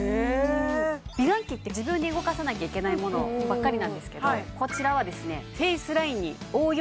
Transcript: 美顔器って自分で動かさなきゃいけないものばっかりなんですけどこちらはですねいや